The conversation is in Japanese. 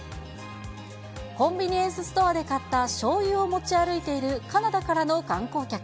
コンビニエンスストアで買ったしょうゆを持ち歩いているカナダからの観光客。